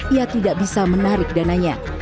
ia tidak bisa menarik dananya